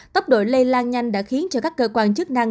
tốc độ lây lan nhanh đã khiến cho các cơ quan chức năng